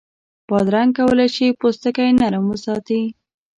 بادرنګ کولای شي پوستکی نرم وساتي.